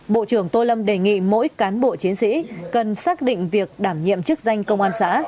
bộ trưởng tô lâm đề nghị mỗi cán bộ chiến sĩ cần xác định việc đảm nhiệm chức danh công an xã